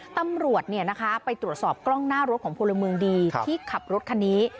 ตำรวจไปตรวจสอบกล้องหน้ารถของพลเมืองดีที่ขับรถคันนี้